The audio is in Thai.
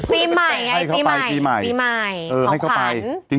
ตีใหม่ตีใหม่ตีใหม่ตีใหม่เออให้เขาไปขอขัน